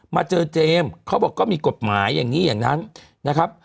มาเจอเจมส์เขาบอกก็มีกฎหมายอย่างนี้อย่างนั้นนะครับ